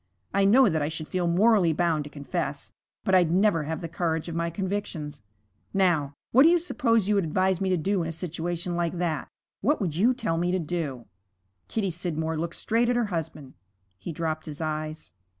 I know that I should feel morally bound to confess, but I'd never have the courage of my convictions. Now, what do you suppose you would advise me to do in a situation like that? What would you tell me to do?' Kitty Scidmore looked straight at her husband. He dropped his eyes.